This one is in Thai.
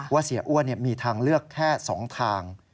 เสียอ้วนมีทางเลือกแค่๒ทาง